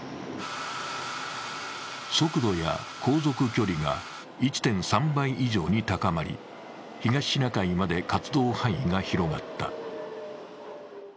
速度や航続距離が１．３倍以上に高まり東シナ海まで活動範囲が広がった。